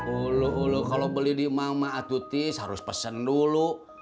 uluh uluh kalau beli di emak mak atutis harus pesen dulu